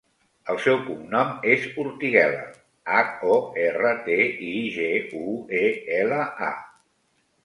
El seu cognom és Hortiguela: hac, o, erra, te, i, ge, u, e, ela, a.